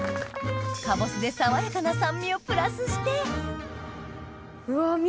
かぼすで爽やかな酸味をプラスしてうわ。